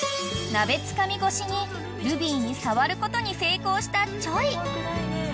［鍋つかみ越しにルビーに触ることに成功したｃｈｏｙ？］